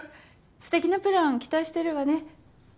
すてきなプラン期待してるわね。